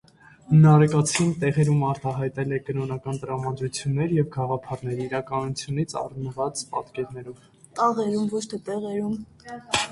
Նարեկացին տաղերում արտահայտել է կրոնական տրամադրություններ և գաղափարներ՝ իրականությունից առնված պատկերներով։